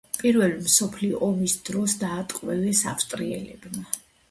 პირველი მსოფლიო ომის დროს დაატყვევეს ავსტრიელებმა.